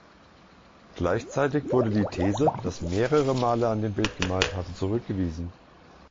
Gleichzeitig wurde die These, dass mehrere Maler an dem Bild gemalt haben, zurückgewiesen.